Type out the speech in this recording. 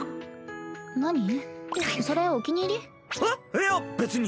いや別に。